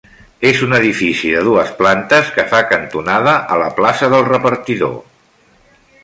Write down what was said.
És un edifici de dues plantes que fa cantonada a la plaça del Repartidor.